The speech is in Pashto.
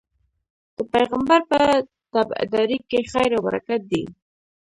د پيغمبر په تابعدارۍ کي خير او برکت دی